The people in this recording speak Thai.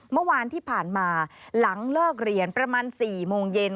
เมื่อวานที่ผ่านมาหลังเลิกเรียนประมาณ๔โมงเย็น